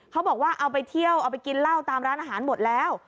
เขาบอกว่าเอาไปเที่ยวเอาไปกินเหล้าตามร้านอาหารหมดแล้ว